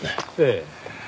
ええ。